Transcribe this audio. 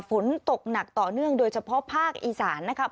ฝนตกหนักต่อเนื่องโดยเฉพาะภาคอีสานนะครับ